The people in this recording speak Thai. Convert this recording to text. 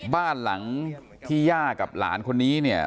บ้านหลังที่ย่ากับหลานคนนี้เนี่ย